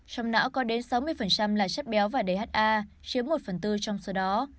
trong não có đến sáu mươi là chất béo và dha chiếm một phần tư trong số đó